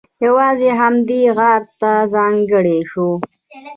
یوازې همدې غار ته ځانګړی شو.